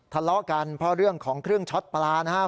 ทะเลาะกันเพราะเรื่องของเครื่องช็อตปลานะครับ